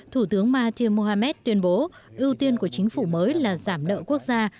thủ tướng mahathir mohamed tuyên bố ưu tiên của chính phủ mới là giảm nợ quốc gia